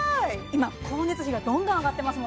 今光熱費がどんどん上がってます